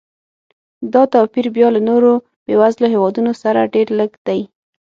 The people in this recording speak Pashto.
دا توپیر بیا له نورو بېوزلو هېوادونو سره ډېر لږ دی.